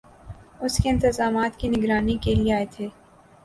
اس کے انتظامات کی نگرانی کیلئے آئے تھے